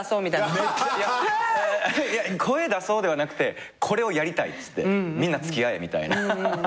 「声出そう」ではなくてこれをやりたいっつってみんな付き合えみたいな。